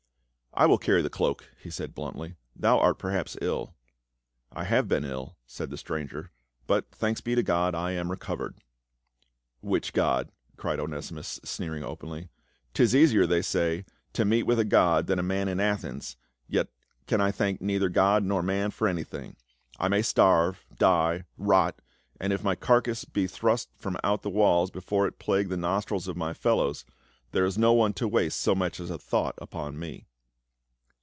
"I will carry the cloak," he said bluntly. "Thou art perhaps ill." " I have been ill," said the stranger, " but thanks be to God, I am recovered." "Which god?" cried Onesimus, sneering openly. " 'Tis easier, they say, to meet with a god than a man in Athens, yet can I thank neither god nor man for anything. I may starve, die, rot, and if my carcass be but thrust from out the walls before it plague the nos trils of my fellows, there is no one to waste so much as a thought upon me."